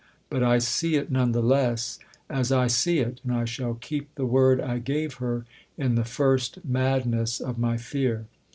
But I see it, none the less, as I see it, and I shall keep the word I gave her in the first madness of my fear.